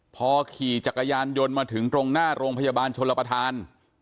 พอขี่จักรยานยนต์มาถึงตรงหน้าโรงพยาบาลชนรับประทาน